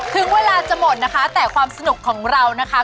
ถึงเวลาจะหมดนะคะแต่ความสนุกของเรานะคะ